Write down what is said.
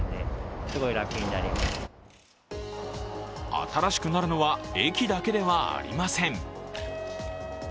新しくなるのは駅だけではありません。